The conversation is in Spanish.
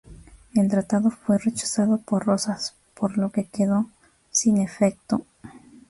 El tratado fue rechazado por Rosas, por lo que quedó sin efecto.